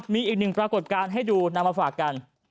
มีอีกหนึ่งปรากฏการณ์ให้ดูนำมาฝากกัน